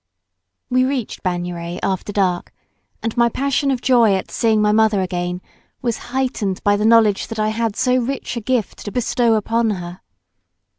We reached Bagnères after dark, and my passion of joy at seeing my mother again was heightened by the knowledge that I had so rich a gift to bestow upon her.